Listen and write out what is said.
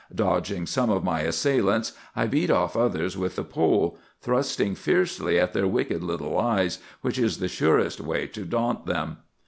Dodging some of my assailants, I beat off others with the pole, thrusting fiercely at their wicked little eyes, which is the surest way to daunt them.